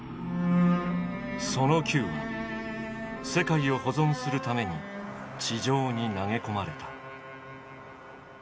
その球は「世界を保存」するために地上に投げ込まれた。